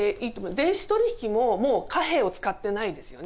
電子取引ももう貨幣を使ってないですよね。